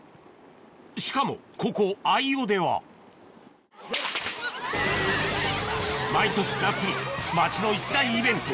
しかもここ秋穂では毎年夏に町の一大イベント